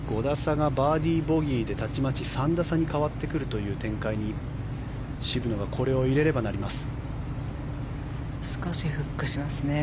５打差がバーディー、ボギーでたちまち３打差に変わってくるという展開に渋野がこれを入れればなります。